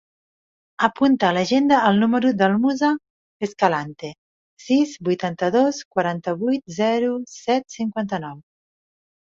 Apunta a l'agenda el número del Musa Escalante: sis, vuitanta-dos, quaranta-vuit, zero, set, cinquanta-nou.